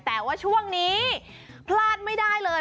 แต่ว่าช่วงนี้พลาดไม่ได้เลย